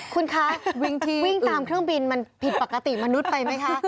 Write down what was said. คุณคะวิ่งตามเครื่องบินมันผิดปกติมนุษย์ไปไหมคะ